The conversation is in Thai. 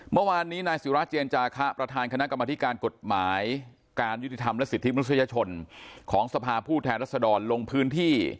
เมื่อวานนี้นายศิราเจนจาคะประธานคณะกรรมธิการกฎหมายการยุติธรรมและสิทธิมนุษยชนของสภาผู้แทนรัศดรลงพื้นที่